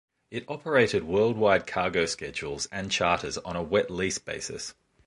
It operated worldwide cargo schedules and charters on a wet-lease basis.